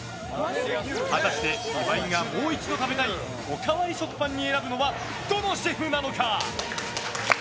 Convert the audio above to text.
果たして岩井がもう一度食べたいおかわり食パンに選ぶのはどのシェフなのか！？